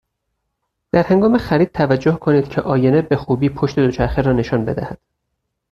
در هنگام خرید توجه کنید که آینه به خوبی پشت دوچرخه را نشان بدهد.